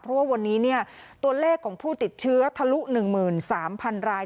เพราะว่าวันนี้ตัวเลขของผู้ติดเชื้อทะลุ๑๓๐๐๐ราย